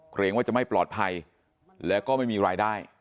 เกรงว่าจะไม่ปลอดภัยแล้วก็ไม่มีรายได้